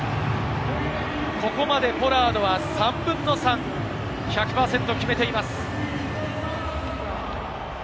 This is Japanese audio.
ここまでポラードは３分の３、１００％決めています。